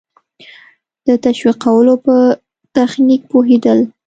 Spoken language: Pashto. د تشویقولو په تخنیک پوهېدل.